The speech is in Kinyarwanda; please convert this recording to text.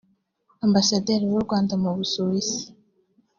Ambasaderi w’u Rwanda mu Busuwisi